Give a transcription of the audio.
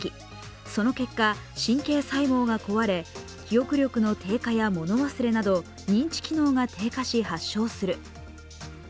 その結果、神経細胞が壊れ記憶力の低下や物忘れなど認知機能が低下し、発症する。